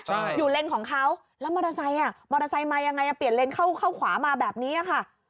ใช่อยู่เลนของเขาแล้วมอเตอร์ไซค์อ่ะมอเตอร์ไซค์มายังไงอ่ะเปลี่ยนเลนเข้าเข้าขวามาแบบนี้ค่ะ